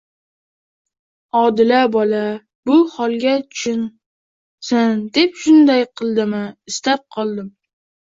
Odila bola bu holga tushsin deb shunday qildimi? Istab, qildimi?